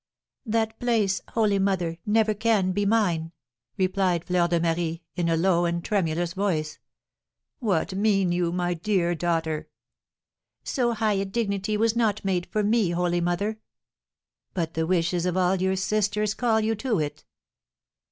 "That place, holy mother, never can be mine!" replied Fleur de Marie, in a low and tremulous voice. "What mean you, my dear daughter?" "So high a dignity was not made for me, holy mother." "But the wishes of all your sisters call you to it."